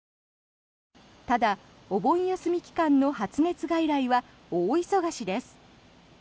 ただ、お盆休み期間の発熱外来は大忙しです。